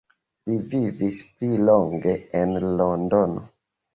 Li vivis pli longe en Londono.